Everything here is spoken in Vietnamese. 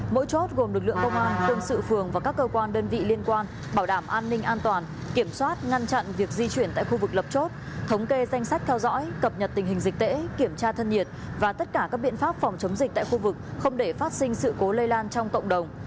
mỗi chốt gồm lực lượng công an quân sự phường và các cơ quan đơn vị liên quan bảo đảm an ninh an toàn kiểm soát ngăn chặn việc di chuyển tại khu vực lập chốt thống kê danh sách theo dõi cập nhật tình hình dịch tễ kiểm tra thân nhiệt và tất cả các biện pháp phòng chống dịch tại khu vực không để phát sinh sự cố lây lan trong cộng đồng